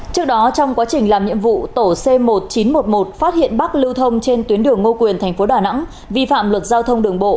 trước đó trong quá trình làm nhiệm vụ tổ c một nghìn chín trăm một mươi một phát hiện bắc lưu thông trên tuyến đường ngô quyền tp đà nẵng vi phạm luật giao thông đường bộ